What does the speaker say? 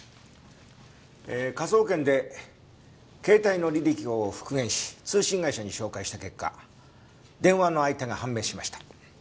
科捜研で携帯の履歴を復元し通信会社に照会した結果電話の相手が判明しました。